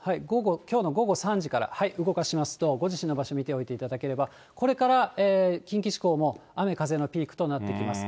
きょうの午後３時から、動かしますと、ご自身の場所、見ておいていただければ、これから近畿地方も雨風のピークとなってきます。